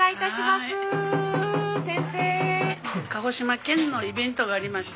鹿児島県のイベントがありまして。